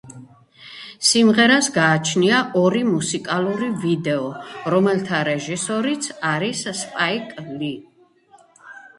სიმღერას გააჩნია ორი მუსიკალური ვიდეო, რომელთა რეჟისორიც არის სპაიკ ლი.